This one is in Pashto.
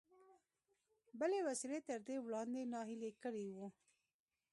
بلې وسيلې تر دې وړاندې ناهيلی کړی و.